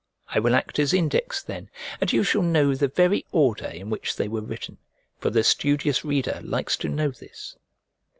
I will act as index then, and you shall know the very order in which they were written, for the studious reader likes to know this.